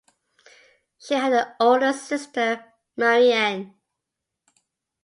She had an older sister, Marian.